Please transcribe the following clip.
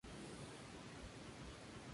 Joseph en el estado estadounidense de Indiana.